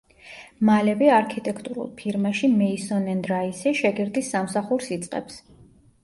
მალევე არქიტექტურულ ფირმაში „მეისონ ენდ რაისი“ შეგირდის სამსახურს იწყებს.